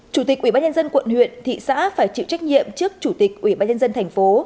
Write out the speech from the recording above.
chủ tịch ủy ban nhân dân quận huyện thị xã phải chịu trách nhiệm trước chủ tịch ủy ban nhân dân thành phố